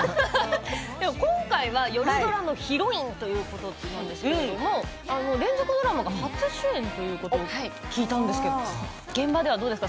今回は夜ドラのヒロインということなんですけれども連続ドラマが初主演ということを聞いたんですけれど現場ではどうですか？